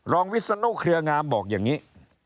วิศนุเครืองามบอกอย่างนี้